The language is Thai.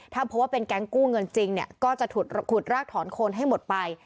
ถ้าพบว่าเป็นแก๊งกู้เงินจริงเนี่ยก็จะขุดรากถอนโคนให้หมดไป